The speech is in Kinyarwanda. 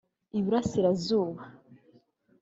Iburasirazuba